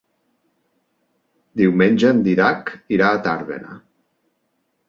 Diumenge en Dídac irà a Tàrbena.